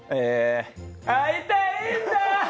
会いたいんだ。